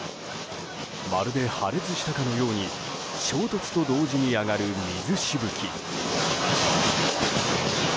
まるで破裂したかのように衝突と同時に上がる水しぶき。